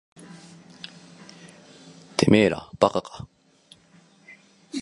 てめえら馬鹿か。